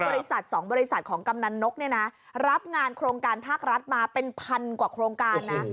บริษัท๒บริษัทของกำนันนกเนี่ยนะรับงานโครงการภาครัฐมาเป็นพันกว่าโครงการนะ